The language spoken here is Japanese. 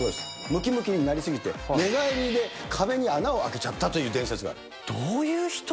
ムキムキになりすぎて、寝返りで壁に穴をあけちゃったという伝説どういう人？